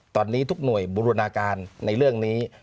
ตอนนี้ทุกหน่วยบูรณาการในเรื่องนี้